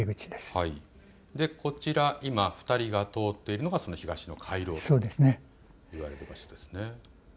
こちら今、２人が通っているのがその東の回廊といわれる場所ですね。